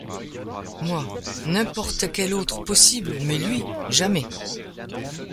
Moi ! n’importe quel autre, possible ! mais lui ! jamais